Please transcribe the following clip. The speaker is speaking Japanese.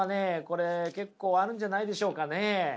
これ結構あるんじゃないでしょうかね。